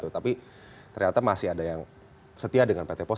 tapi ternyata masih ada yang setia dengan pt pos